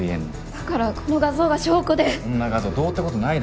だからこの画像が証拠でこんな画像どうってことないだろ。